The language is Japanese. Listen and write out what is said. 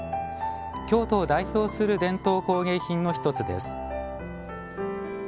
京都を代表する伝統工芸品の１つです。